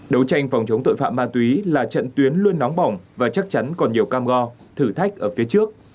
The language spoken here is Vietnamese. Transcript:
đấu tranh phòng chống tội phạm ma túy là trận tuyến luôn nóng bỏng và chắc chắn còn nhiều cam go thử thách ở phía trước